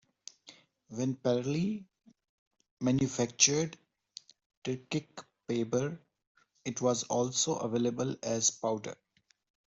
When Perelly manufactured Tyrkisk Peber, it was also available as powder.